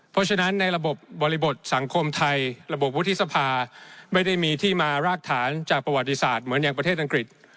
เพราะฉะนั้นในระบบบริบทสังคมไทยระบบวุฒิสภาไม่ได้มีที่มารากฐานจากประวัติศาสตร์เหมือนอย่างประเทศอังกฤษ